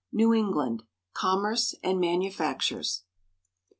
NEW ENGLAND — COMMERCE AND MANUFACTURES.